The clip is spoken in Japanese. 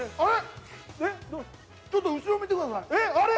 あれちょっと後ろ見てください。